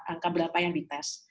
angka berapa yang dites